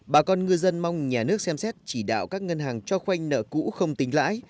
bà con ngư dân mong nhà nước xem xét chỉ đạo các ngân hàng cho khoanh nợ cũ không tính lãi